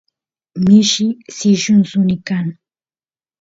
mishi sillun suni kan